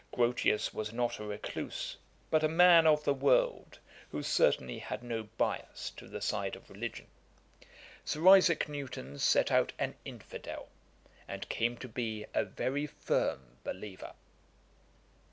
Grotius was not a recluse, but a man of the world, who certainly had no bias to the side of religion. Sir Isaac Newton set out an infidel, and came to be a very firm believer.'